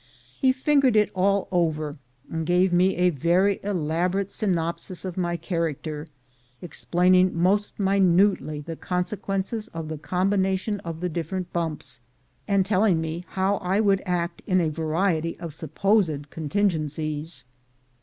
He fingered it all over, and gave me a very elaborate synopsis of my char acter, explaining most minutely the consequences of the combination of the different bumps, and telling me how I would act in a variety of supposed contin gencies.